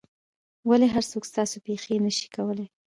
ولي هر څوک ستاسو پېښې نه سي کولای؟